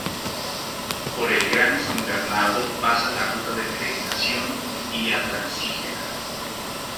Por el Gran San Bernardo pasa la Ruta de Peregrinación Vía Francígena.